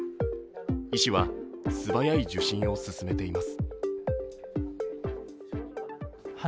医師は素早い受診を勧めています。